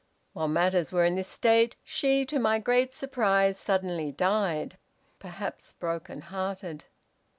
"While matters were in this state, she, to my great surprise, suddenly died, perhaps broken hearted.